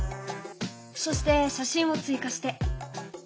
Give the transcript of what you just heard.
そして写真を追加して。